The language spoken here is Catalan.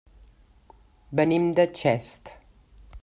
Venim de Xest.